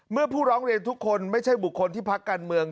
ผู้ร้องเรียนทุกคนไม่ใช่บุคคลที่พักการเมือง